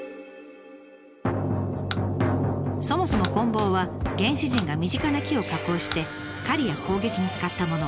そもそもこん棒は原始人が身近な木を加工して狩りや攻撃に使ったもの。